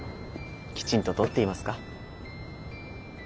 きちんととっていますか？